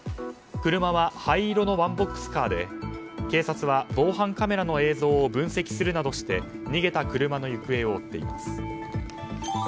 車は灰色のワンボックスカーで警察は防犯カメラの映像を分析するなどして逃げた車の行方を追っています。